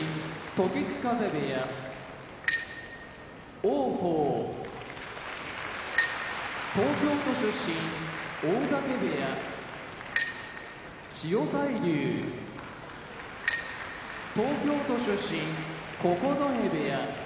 時津風部屋王鵬東京都出身大嶽部屋千代大龍東京都出身九重部屋